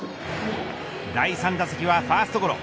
第３打席はファーストゴロ。